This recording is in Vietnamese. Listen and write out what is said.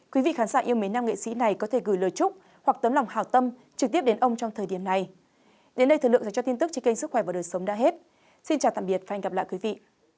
xin chào tạm biệt và hẹn gặp lại quý vị